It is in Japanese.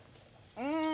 うん。